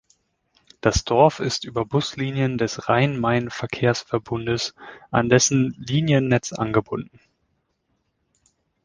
Das Dorf ist über Buslinien des Rhein-Main-Verkehrsverbunds an dessen Liniennetz angebunden.